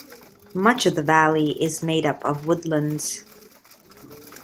Much of the valley is made up of woodlands.